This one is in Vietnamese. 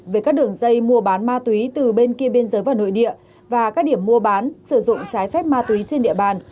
về các đường dây mua bán ma túy từ bên kia biên giới vào nội địa và các điểm mua bán sử dụng trái phép ma túy trên địa bàn